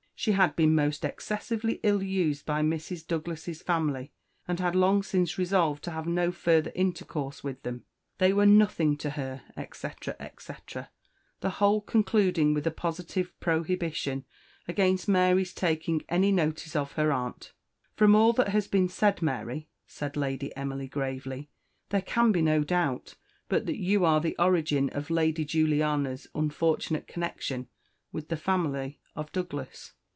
She had been most excessively ill used by Mr. Douglas's family, and had long since resolved to have no further intercourse with them they were nothing to her, etc. etc. The whole concluding with a positive prohibition against Mary's taking any notice of her aunt. "From all that has been said, Mary," said Lady Emily gravely, "there can be no doubt but that you are the origin of Lady Juliana's unfortunate connection with the family of Douglas."